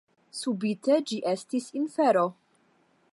Subite ĝi estis infero.